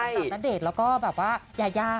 นะคุณณเดชน์แล้วก็แบบว่ายา